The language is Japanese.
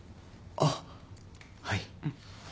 あっはい。